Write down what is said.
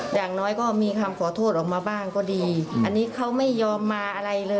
อย่างน้อยก็มีคำขอโทษออกมาบ้างก็ดีอันนี้เขาไม่ยอมมาอะไรเลย